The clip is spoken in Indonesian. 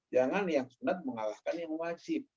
jangan yang sunat mengalahkan yang wajib